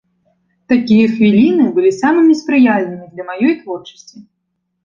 Такія хвіліны былі самымі спрыяльнымі для маёй творчасці.